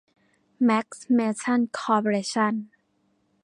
แมกซ์ เมทัล คอร์ปอเรชั่น